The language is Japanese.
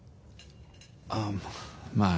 あっまあ